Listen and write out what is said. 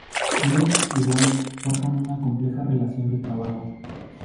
Milk y White forjan una compleja relación de trabajo.